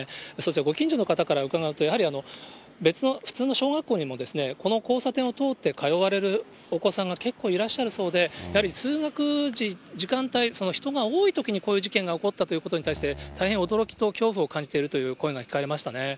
ご近所の方から伺うと、別の、普通の小学校にも、この交差点を通って通われるお子さんが結構いらっしゃるそうで、やはり通学時、時間帯、人が多いときにこういう事件が起こったということに対して、大変驚きと恐怖を感じているという声が聞かれましたね。